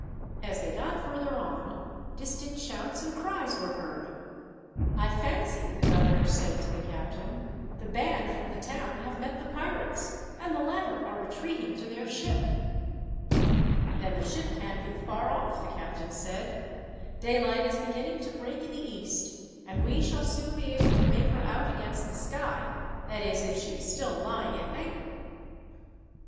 As they got further on, distant shouts and cries were heard. "I fancy," the governor said to the captain, "the band from the town have met the pirates, and the latter are retreating to their ship." "Then the ship can't be far off," the captain said. "Daylight is beginning to break in the east, and we shall soon be able to make her out against the sky that is, if she is still lying at anchor."